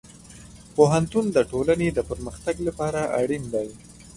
پوهنتون د ټولنې د پرمختګ لپاره اړین دی.